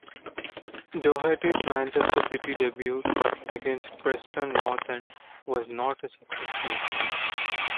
Doherty's Manchester City debut, against Preston North End, was not a successful one.